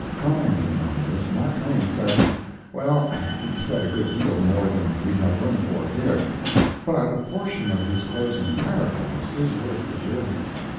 Commenting on this Mark Twain said well, he said a good deal more than we have room for here, but a portion of his closing paragraphs is worth preserving.